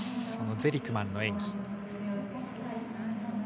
ゼリクマンの演技。